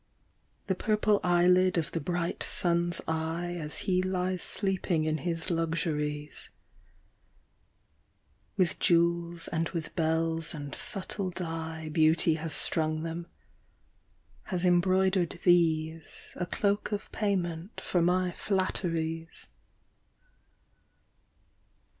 The purple eyelid of the bright sun's eye As he lies sleeping in his luxuries ... With jewels and with bells and subtle dye Beauty bas strung them, bas embroidered these A cloak of payment for mv flatteries.